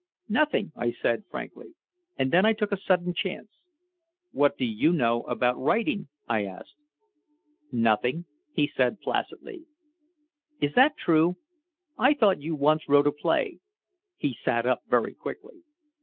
"Nothing," I said frankly. And then I took a sudden chance. "What do you know about writing?" I asked. "Nothing," he said placidly. "Is that true? I thought you once wrote a play." He sat up very quickly.